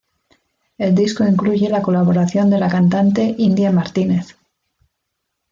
El disco incluye la colaboración de la cantante India Martínez.